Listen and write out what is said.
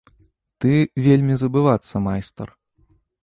Ты вельмі забывацца майстар!